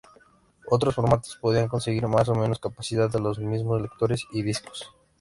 Otros formatos podrían conseguir más o menos capacidad de los mismos lectores y discos.